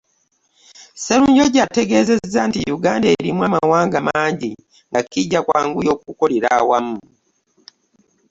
Sserunjogi ategeezezza nti Uganda erimu amawanga mangi nga kijja kwanguya okukolera awamu